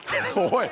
おい！